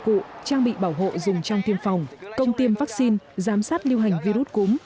cụ trang bị bảo hộ dùng trong tiêm phòng công tiêm vaccine giám sát lưu hành virus cúm